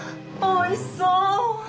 おいしそう！